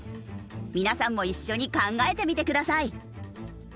皆さんも一緒に考えてみてください。